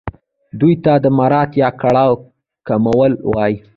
دې ته د مرارت یا کړاو کمول وايي.